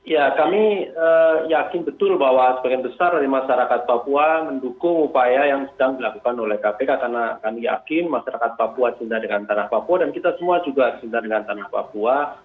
ya kami yakin betul bahwa sebagian besar dari masyarakat papua mendukung upaya yang sedang dilakukan oleh kpk karena kami yakin masyarakat papua cinta dengan tanah papua dan kita semua juga cinta dengan tanah papua